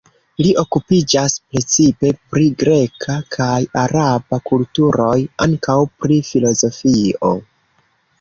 Li okupiĝas precipe pri greka kaj araba kulturoj, ankaŭ pri filozofio.